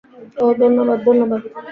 ওহ, ধন্যবাদ ধন্যবাদ।